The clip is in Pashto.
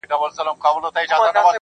د شاعرۍ ياري كړم,